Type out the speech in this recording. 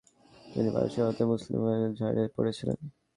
তিনি পার্শ্বদিক হতে মুসলিম বাহিনীর উপর ঝাঁপিয়ে পড়েছিলেন।